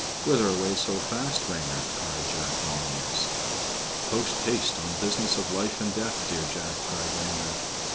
"Whither away so fast, Reynard?" cried Jack Longears. "Post haste, on business of life and death, dear Jack," cried Reynard.